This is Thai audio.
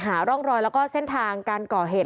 หาร่องรอยแล้วก็เส้นทางการก่อเหตุ